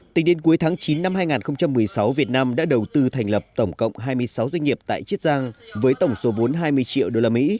tính đến cuối tháng chín năm hai nghìn một mươi sáu việt nam đã đầu tư thành lập tổng cộng hai mươi sáu doanh nghiệp tại chiết giang với tổng số vốn hai mươi triệu usd